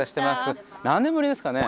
何年ぶりですかね？